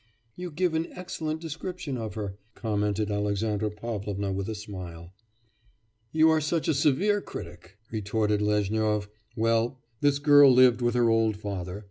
'You give an excellent description of her,' commented Alexandra Pavlovna with a smile. 'You are such a severe critic,' retorted Lezhnyov. 'Well, this girl lived with her old father....